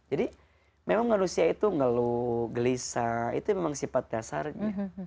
jadi memang manusia itu ngeluh gelisah itu memang sifat dasarnya